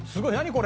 これ。